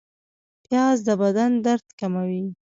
پیاز د بدن درد کموي